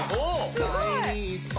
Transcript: すごい。